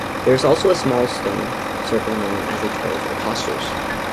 There is also a small stone circle known as The Twelve Apostles.